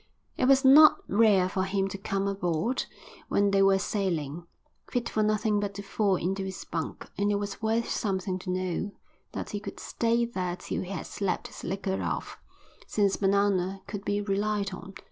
It was not rare for him to come aboard, when they were sailing, fit for nothing but to fall into his bunk, and it was worth something to know that he could stay there till he had slept his liquor off, since Bananas could be relied on.